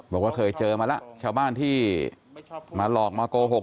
บอกว่าเคยเจอมาแล้วชาวบ้านที่มาหลอกมาโกหก